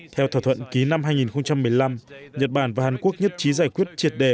theo thỏa thuận ký năm hai nghìn một mươi năm nhật bản và hàn quốc nhất trí giải quyết triệt đề